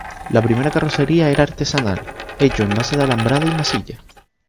La primera "carrocería" era artesanal, hecho en base de alambrada y masilla.